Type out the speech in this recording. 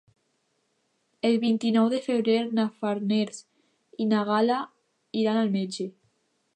El vint-i-nou de febrer na Farners i na Gal·la iran al metge.